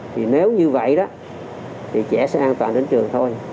thì nếu như vậy đó thì trẻ sẽ an toàn đến trường thôi